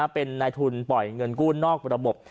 เป็นนายทุนปล่อยเงินกู้นอกระบบ